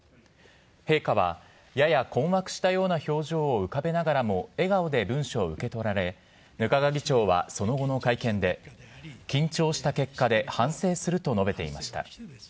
陛下はやや困惑したような表情を浮かべながらも笑顔で文書を受け取られ、額賀議長はその後の会見で、緊張した結果で、反省すると述べていました。